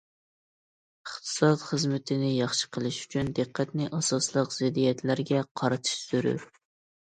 ئىقتىساد خىزمىتىنى ياخشى قىلىش ئۈچۈن، دىققەتنى ئاساسلىق زىددىيەتلەرگە قارىتىش زۆرۈر.